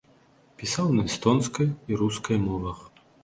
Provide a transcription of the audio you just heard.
Пісаў на эстонскай і рускай мовах.